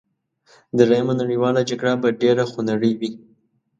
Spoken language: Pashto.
دریمه نړیواله جګړه به ډېره خونړۍ وي